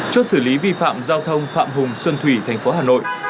chốt xử lý vi phạm giao thông phạm hùng xuân thủy thành phố hà nội